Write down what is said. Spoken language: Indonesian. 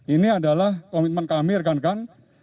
ini adalah komitmen kami rekan rekan